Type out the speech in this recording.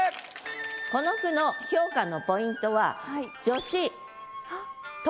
この句の評価のポイントは助詞「と」